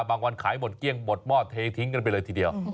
วันขายหมดเกลี้ยงหมดหม้อเททิ้งกันไปเลยทีเดียว